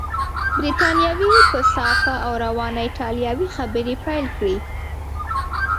بریتانوي په صافه او روانه ایټالوې خبرې پیل کړې.